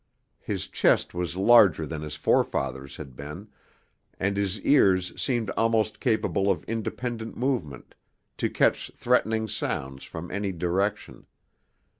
His chest was larger than his forefathers' had been, and his ears seemed almost capable of independent movement, to catch threatening sounds from any direction.